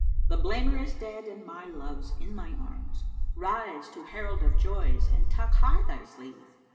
The blamer is dead and my love's in my arms: * Rise to herald of joys and tuck high thy sleeve[FN#376]!"